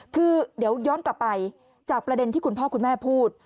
คือเดี๋ยวย้อนกลับไปจากประเด็นที่คุณพ่อคุณแม่พูด